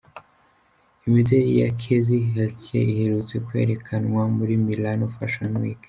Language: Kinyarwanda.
Imideli ya Kezi Heritier iherutse kwerekanwa muri Milano Fashion week.